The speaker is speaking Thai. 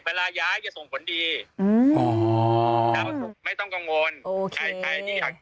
เวลาย้ายจะส่งผลดีอืมน้ำไม่ต้องกังวลโอ้ใครใครที่อยาก